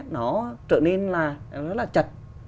nó trở nên là rất là chật